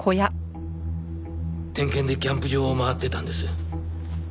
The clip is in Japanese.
点検でキャンプ場を回っていたんです。